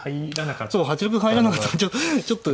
そう８六歩入らなかったのがちょっと。